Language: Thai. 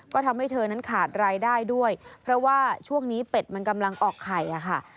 ก็ทำให้เธอนั้นขาดรายได้ด้วยเพราะว่าช่วงนี้เป็ดมันกำลังออกไข่อะค่ะ